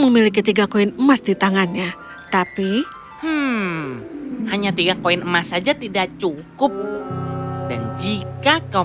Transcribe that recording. memiliki tiga koin emas di tangannya tapi hanya tiga koin emas saja tidak cukup dan jika kau